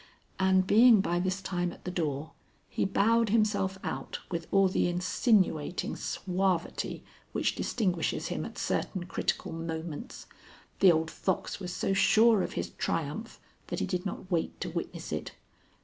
And, being by this time at the door, he bowed himself out with all the insinuating suavity which distinguishes him at certain critical moments. The old fox was so sure of his triumph that he did not wait to witness it.